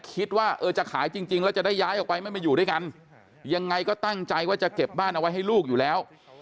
คิดว่าเออจะขายจริงแล้วจะได้ย้ายออกไปไม่มาอยู่ด้วยกันยังไงก็ตั้งใจว่าจะเก็บบ้านเอาไว้ให้ลูกอยู่แล้ว